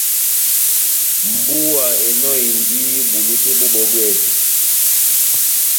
Mbúwa enɔhindi bulu tɛ́h bó bɔ́ bwɛ́hɛ́pi.